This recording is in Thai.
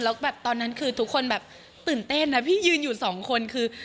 แล้วแบบตอนนั้นคือทุกคนแบบตื่นเต้นนะพี่ยืนอยู่สองคนคือ